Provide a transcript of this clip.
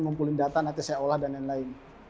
ngumpulin data nanti saya olah dan lain lain